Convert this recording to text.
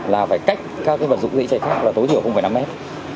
là phải cách các vật dụng dĩ cháy khác là tối thiểu không phải năm mét